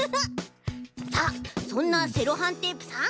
さあそんなセロハンテープさん。